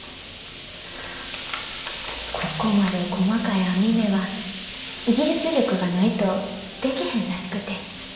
ここまで細かい網目は技術力がないとでけへんらしくて。